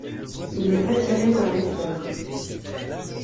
Il est attiré par les fleurs.